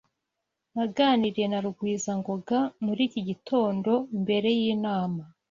Naganiriye na Rugwizangoga muri iki gitondo mbere yinama.